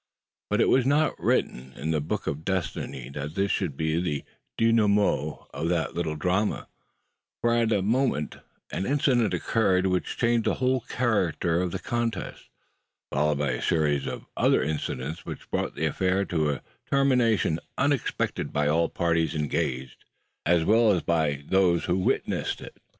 But it was not written in the book of destiny that this should be the denouement of that little drama: for at that moment an incident occurred which changed the whole character of the contest followed by a series of other incidents which brought the affair to a termination unexpected by all parties engaged, as well as by those who witnessed it.